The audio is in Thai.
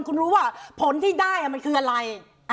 คุณรู้ว่าผลที่ได้มันคืออะไร